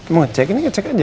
mau cek ini ngecek aja